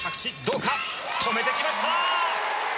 止めてきました！